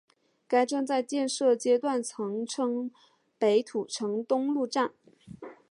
该站在建设阶段曾称北土城东路站。